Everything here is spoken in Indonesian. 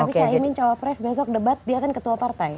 tapi caimin cowok pres besok debat dia kan ketua partai